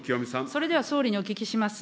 それでは総理にお聞きします。